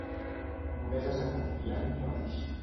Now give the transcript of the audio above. Només has de confiar en tu mateix.